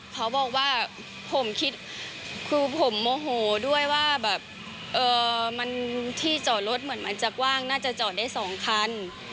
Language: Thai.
เขาบอกว่าผมคิดคือผมโมโหด้วยว่าแบบมันที่จอดรถเหมือนมันจะกว้างน่าจะจอดได้๒คัน